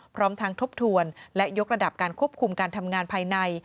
พร้อมทั้งทบทวนและยกระดับการควบคุมการทำงานภายใน